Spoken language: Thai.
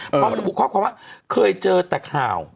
เพราะมันเป็นข้อความว่าเคยเจอแต่ข่าว